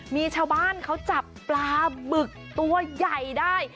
มีชาวบ้านเขาจับปลาบึกตัวใหญ่ได้